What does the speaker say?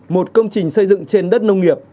một công trình xây dựng trên đất nông nghiệp